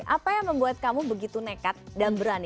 apa yang membuat kamu begitu nekat dan berani